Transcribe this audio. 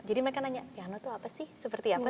jadi mereka nanya piano itu apa sih seperti apa sih